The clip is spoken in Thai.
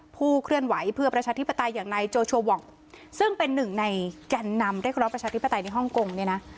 เคลื่อนไหวเพื่อประชาธิปไตยอย่างนายโจโชวองซึ่งเป็นหนึ่งในแก่นนำเรียกร้องประชาธิปไตยในฮ่องกงเนี่ยนะ